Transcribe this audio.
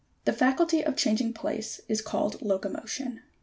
The faculty of changing place is called locomotion.